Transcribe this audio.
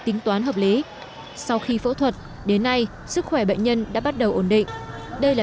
tính toán hợp lý sau khi phẫu thuật đến nay sức khỏe bệnh nhân đã bắt đầu ổn định đây là